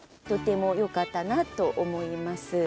とてもよかったなと思います。